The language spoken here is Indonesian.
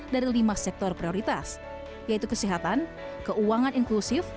dari lima sektor prioritas yaitu kesehatan keuangan inklusif